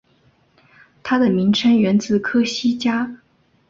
它的名称源自科西嘉。